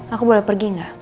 aku boleh pergi gak